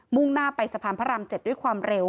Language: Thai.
่งหน้าไปสะพานพระราม๗ด้วยความเร็ว